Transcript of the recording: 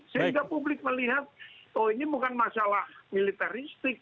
sehingga publik melihat oh ini bukan masalah militeristik